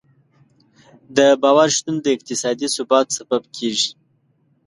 د باور شتون د اقتصادي ثبات سبب کېږي.